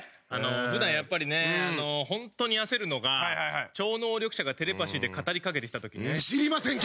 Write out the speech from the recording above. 普段やっぱりね本当に焦るのが超能力者がテレパシーで語りかけてきた時ね。